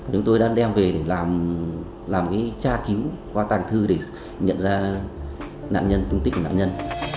chúng tôi đã đem về để làm cái tra cứu qua tàng thư để nhận ra nạn nhân tung tích của nạn nhân